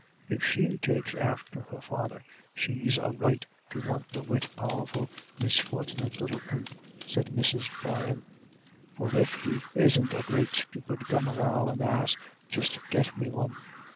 "If she takes after her father, she's a right to want the wit powerful, misfort'nit little imp," said Mrs. Brian. "For if he isn't a great stupid gomeral and an ass, just get me one.